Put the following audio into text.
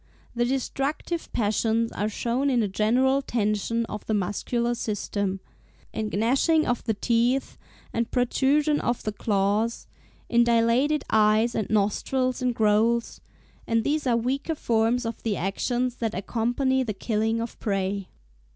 The destructive passions are shown in a general tension of the muscular system, in gnashing of the teeth and protrusion of the claws, in dilated eyes and nostrils in growls; and these are weaker forms of the actions that accompany the killing of prey."